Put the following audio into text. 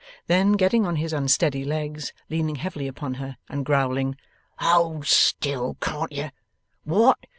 Then, getting on his unsteady legs, leaning heavily upon her, and growling, 'Hold still, can't you? What!